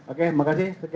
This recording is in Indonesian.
oke terima kasih sekian